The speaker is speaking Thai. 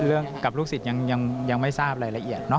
กับลูกศิษย์ยังไม่ทราบรายละเอียดเนอ